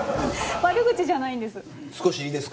悪口じゃないんです。